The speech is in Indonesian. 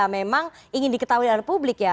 ini sebetulnya ya memang ingin diketahui oleh publik ya